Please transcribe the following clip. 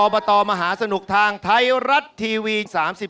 บตมหาสนุกทางไทยรัฐทีวี๓๒